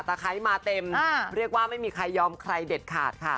ไคร้มาเต็มเรียกว่าไม่มีใครยอมใครเด็ดขาดค่ะ